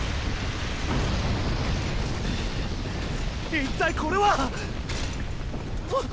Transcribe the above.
一体これは⁉あっ。